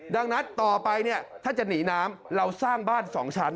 ดังนัดต่อไปถ้าจะหนีน้ำเราสร้างบ้านสองชั้น